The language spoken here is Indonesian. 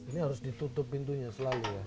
ini harus ditutup pintunya selalu ya